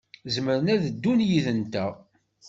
Zemren ad ddun yid-nteɣ.